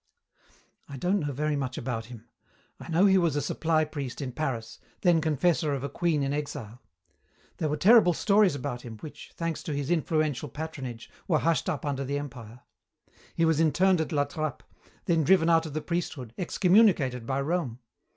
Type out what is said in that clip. "I don't know very much about him. I know he was a supply priest in Paris, then confessor of a queen in exile. There were terrible stories about him, which, thanks to his influential patronage, were hushed up under the Empire. He was interned at La Trappe, then driven out of the priesthood, excommunicated by Rome.